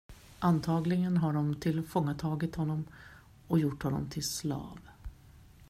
Antagligen har de tillfångatagit honom och gjort honom till slav.